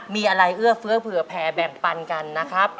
มีอะไรเยื่องเผื่อแผลแบ่งปัลกันนะครับ